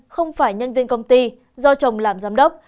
không phải nhân viên công ty do chồng làm giám đốc